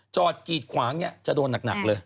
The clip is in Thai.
กีดขวางจะโดนหนักเลย